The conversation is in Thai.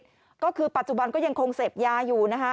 ก็คือปัจจุบันก็ยังคงเสพยาอยู่นะคะ